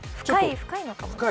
深いのかも。